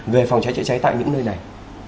về phòng cháy chạy cháy tại những nơi này